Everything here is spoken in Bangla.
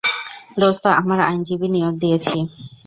দোস্ত, আমার আইনজীবী নিয়োগ দিয়েছি।